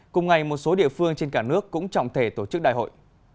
cùng ngày một số địa phương trên cả nước cũng trọng thể tổ chức đại hội